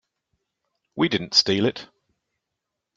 We didn't steal it.